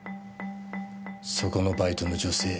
そこのバイトの女性